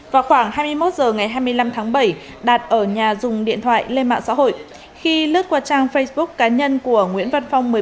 vào khoảng hai mươi một h ngày hai mươi năm tháng bảy đạt ở nhà dùng điện thoại lên mạng xã hội khi lướt qua trang facebook cá nhân của nguyễn văn phong